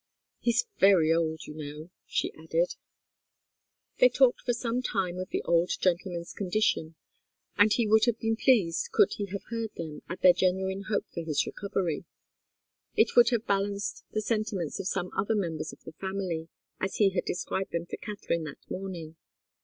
"He's very old, you know," she added. They talked for some time of the old gentleman's condition, and he would have been pleased, could he have heard them, at their genuine hope for his recovery. It would have balanced the sentiments of some other members of the family as he had described them to Katharine that morning.